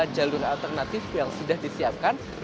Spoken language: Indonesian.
jalur alternatif yang sudah disiapkan